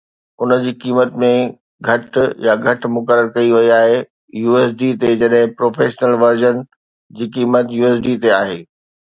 ان جي قيمت گهٽ يا گهٽ مقرر ڪئي وئي آهي USD تي جڏهن ته پروفيشنل ورزن جي قيمت USD تي آهي